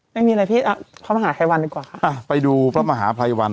ไม่มีอะไรพี่อ่ะพระมหาภัยวันดีกว่าค่ะอ่าไปดูพระมหาภัยวัน